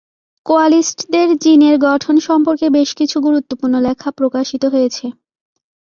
কোয়ালিস্টদের জীনের গঠন সম্পর্কে বেশ কিছু গুরুত্বপূর্ণ লেখা প্রকাশিত হয়েছে।